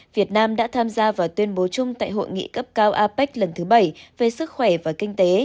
việt nam đã tham gia vào tuyên bố chung tại hội nghị cấp cao apec lần thứ bảy về sức khỏe và kinh tế